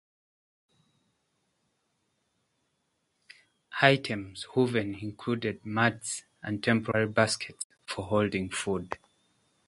Items woven included mats and temporary baskets for holding food.